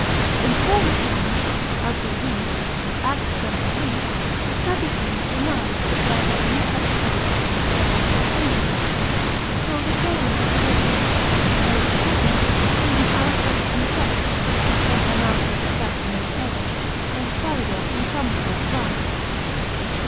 In former times, as we read, Acts xxiii., the Sadducees denied that there were any such spirits, devils, or angels. So did Galen the physician, the Peripatetics, even Aristotle himself, as Pomponatius stoutly maintains, and Scaliger in some sort grants.